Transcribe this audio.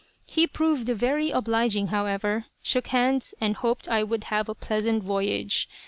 He proved very obliging, however, shook hands, and hoped I would have a pleasant voyage.